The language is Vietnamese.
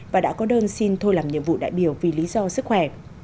và đã có đơn xin thôi làm nhiệm vụ đại biểu vì lý do sức khỏe